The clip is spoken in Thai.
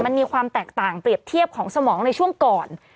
มันมีความแตกต่างเปรียบเทียบของสมองในช่วงก่อน